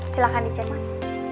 silahkan dicek mas